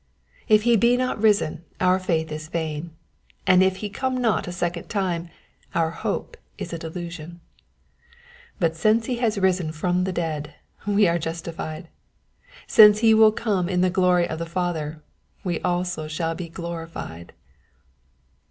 If he be not risen, our faith is vain ; and if he come not a second time, our hope is a delusion ; but since he has risen from the dead, we are justified ; since he will come in the glory of the Father, we also shall be glorified.